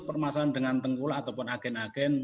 permasalahan dengan tengkulak ataupun agen agen